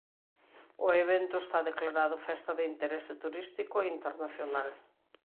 O evento está declarado festa de interese turístico internacional.